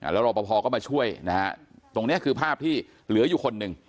แล้วรอปภก็มาช่วยนะฮะตรงนี้คือภาพที่เหลืออยู่คนหนึ่ง